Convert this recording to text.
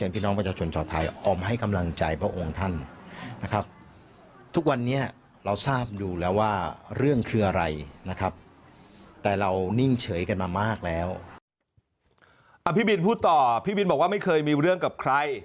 พี่บินพูดต่อพี่บินบอกว่าไม่เคยมีเรื่องกับใคร